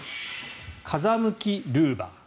風向きルーバー。